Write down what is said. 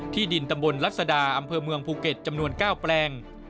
ดินตำบลรัศดาอำเภอเมืองภูเก็ตจำนวน๙แปลง